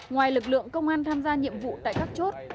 ngoài lực lượng công an tham gia nhiệm vụ tại các chốt